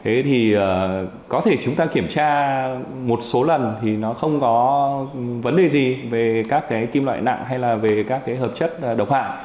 thế thì có thể chúng ta kiểm tra một số lần thì nó không có vấn đề gì về các cái kim loại nặng hay là về các cái hợp chất độc hại